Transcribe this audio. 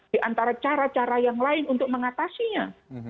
di antara cara cara yang lain untuk mengatasinya